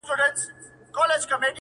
چي قاتل هجوم د خلکو وو لیدلی.!